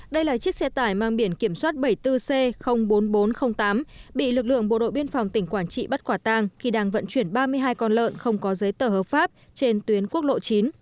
đây là chiếc xe tải mang biển kiểm soát bảy mươi bốn c bốn nghìn bốn trăm linh tám bị lực lượng bộ đội biên phòng tỉnh quảng trị bắt quả tang khi đang vận chuyển ba mươi hai con lợn không có giấy tờ hợp pháp trên tuyến quốc lộ chín